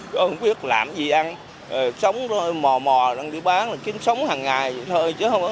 không biết làm gì ăn sống mò mò đang đi bán là kiếm sống hàng ngày thôi chứ không